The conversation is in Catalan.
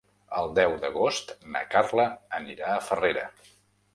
El deu d'agost na Carla anirà a Farrera.